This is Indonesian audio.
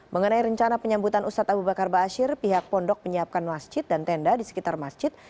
mengenai rencana penyambutan ustadz abu bakar ⁇ asyir ⁇ pihak pondok menyiapkan masjid dan tenda di sekitar masjid